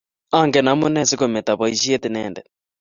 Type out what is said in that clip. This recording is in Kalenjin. angen amunee sigometo boishet inendet